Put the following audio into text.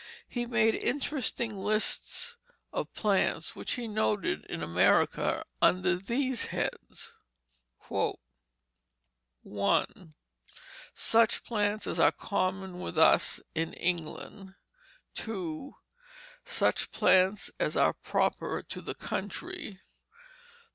He made interesting lists of plants which he noted in America under these heads: "1. Such plants as are common with us in England. "2. Such plants as are proper to the country.